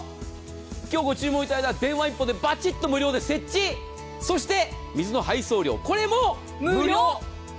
今日ご注文いただいたら電話１本で無料でそして、水の配送料これも無料！